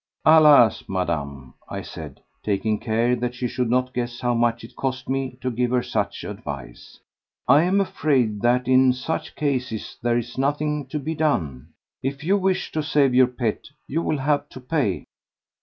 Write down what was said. "Alas, Madame," I said, taking care that she should not guess how much it cost me to give her such advice, "I am afraid that in such cases there is nothing to be done. If you wish to save your pet you will have to pay.